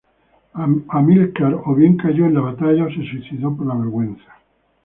Amilcar o bien cayó en la batalla o se suicidó por la vergüenza.